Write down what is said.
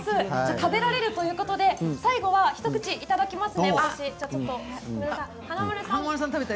食べられるということで一口いただきます。